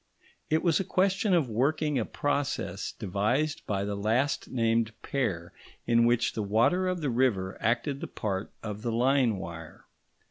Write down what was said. It was a question of working a process devised by the last named pair, in which the water of the river acted the part of the line wire.